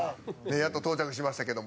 やっと到着しましたけども。